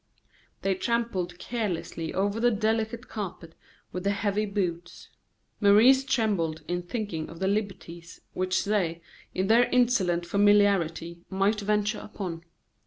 They trampled carelessly over the delicate carpet with their heavy boots. Maurice trembled in thinking of the liberties which they, in their insolent familiarity, might venture upon.